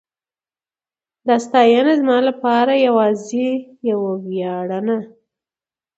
دا ستاینه زما لپاره یواځې یو ویاړ نه